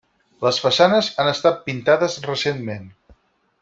Les façanes han estat pintades recentment.